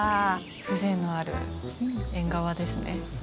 風情のある縁側ですね。